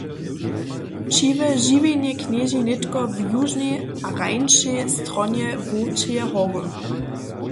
Čiłe žiwjenje knježi nětko na južnej a rańšej stronje Wowčeje hory.